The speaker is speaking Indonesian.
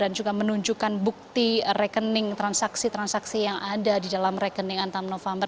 dan juga menunjukkan bukti rekening transaksi transaksi yang ada di dalam rekening antem novambar